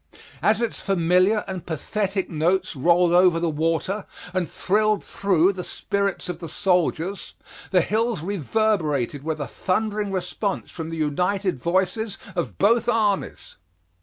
As its familiar and pathetic notes rolled over the water and thrilled through the spirits of the soldiers, the hills reverberated with a thundering response from the united voices of both armies.